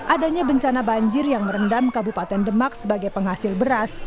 adanya bencana banjir yang merendam kabupaten demak sebagai penghasil beras